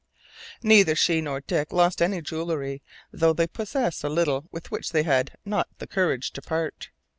Neither she nor Dick lost any jewellery, though they possessed a little with which they had not had the courage to part.